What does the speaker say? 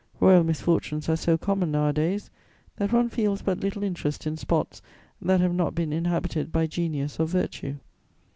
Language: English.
Royal misfortunes are so common nowadays that one feels but little interest in spots that have not been inhabited by genius or virtue.